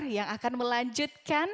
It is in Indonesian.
yang akan melanjutkan